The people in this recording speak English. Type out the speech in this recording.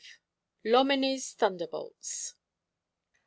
Loménie's Thunderbolts.